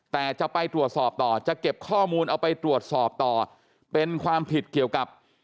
แต่จะไปตรวจสอบต่อจะเก็บข้อมูลเอาไปตรวจสอบต่อเป็นความผิดเกี่ยวกับ